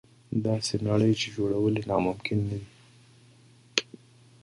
داسې نړۍ چې جوړول یې ناممکن نه دي.